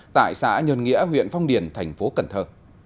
tại xã nhơn nghĩa huyện phong điền thành phố cần thơ